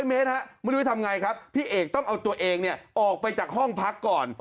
เมตรไม่รู้ทำไงครับพี่เอกต้องเอาตัวเองออกไปจากห้องพักก่อน